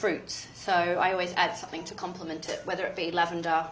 そう。